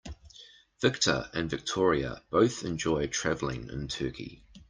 Victor and Victoria both enjoy traveling in Turkey.